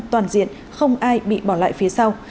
toàn diện không ai bị bỏ lại phía sau